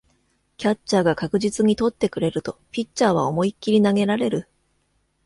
キャッチャーが確実に捕ってくれるとピッチャーは思いっきり投げられる